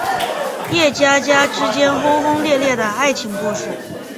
叶家家之间轰轰烈烈的爱情故事。